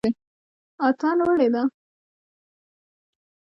د تهران يونيورسټۍ نه د پښتو او فارسي ژبې